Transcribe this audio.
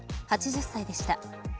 ８０歳でした。